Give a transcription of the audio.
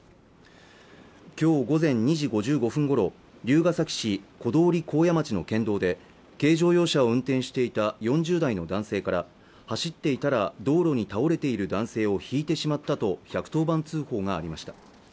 今日午前２時５５分ごろ龍ケ崎市小通幸谷町の県道で軽乗用車を運転していた４０代の男性から走っていたら道路に倒れている男性をひいてしまったと１１０番通報がありました